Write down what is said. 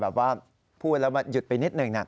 แบบว่าพูดอะไรมาหยุดไปนิดหนึ่งน่ะ